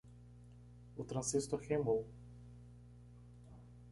O transistor queimou